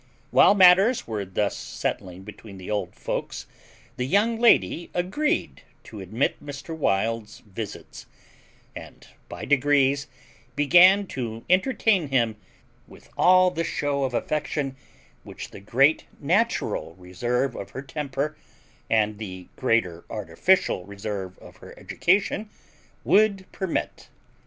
While matters were thus settling between the old folks the young lady agreed to admit Mr. Wild's visits, and, by degrees, began to entertain him with all the shew of affection which the great natural reserve of her temper, and the greater artificial reserve of her education, would permit.